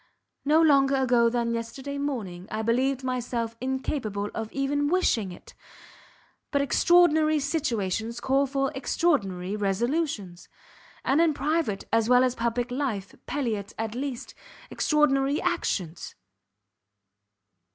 No longer ago than yesterday morning, I believed myself incapable of even wishing it; but extraordinary situations call for extraordinary resolutions, and in private as well as public life, palliate, at least, extraordinary actions.